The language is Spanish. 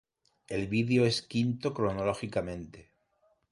El video es quinto cronológicamente.